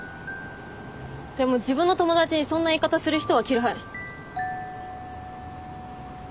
でも自分の友達にそんな言い方する人は嫌い。